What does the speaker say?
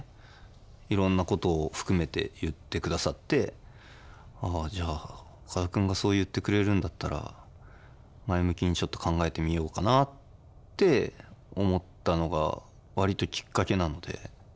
いろんなことを含めて言ってくださってああじゃあ岡田君がそう言ってくれるんだったら前向きにちょっと考えてみようかなって思ったのが割ときっかけなので。